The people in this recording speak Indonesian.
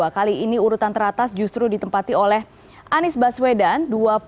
kali ini urutan teratas justru ditempati oleh anies baswedan